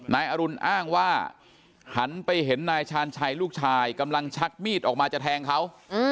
นายอรุณอ้างว่าหันไปเห็นนายชาญชัยลูกชายกำลังชักมีดออกมาจะแทงเขา